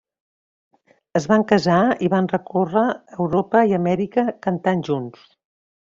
Es van casar i van recórrer Europa i Amèrica cantant junts.